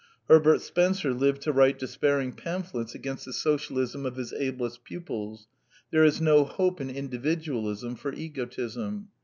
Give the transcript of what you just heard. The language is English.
Her bert Spencer lived to write despairing pamphlets against the Socialism of his ablest pupils. There is no hope in Individualism for egotism.